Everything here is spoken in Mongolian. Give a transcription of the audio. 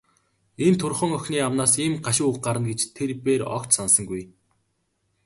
Энэ турьхан охины амнаас ийм гашуун үг гарна гэж тэр бээр огт санасангүй.